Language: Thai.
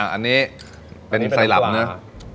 อันนี้เป็นไซรัปเนี่ย